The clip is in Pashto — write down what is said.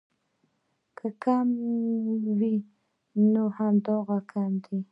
کۀ کم وي نو دغه کمے دې